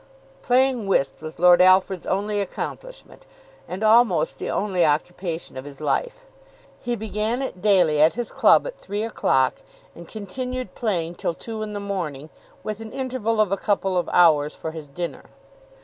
Playing whist was Lord Alfred's only accomplishment, and almost the only occupation of his life. He began it daily at his club at three o'clock, and continued playing till two in the morning with an interval of a couple of hours for his dinner.